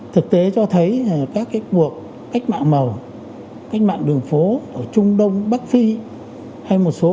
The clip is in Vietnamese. thực tế cho thấy các cuộc cách mạng màu cách mạng đường phố ở trung đông bắc phi hay một số